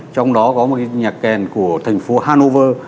trong đó có một cái nhạc kèn của thành phố hanover